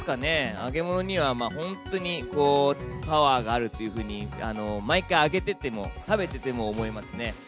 揚げ物には本当にパワーがあるというふうに、毎回揚げてても、食べてても思いますね。